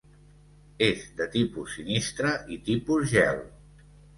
És de tipus sinistre i tipus gel.